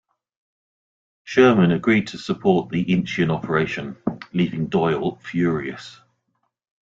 Sherman agreed to support the Incheon operation, leaving Doyle furious.